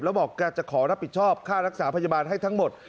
แล้วบอกแกจะขอรับผิดชอบค่ารักษาพยาบาลให้ทั้งหมด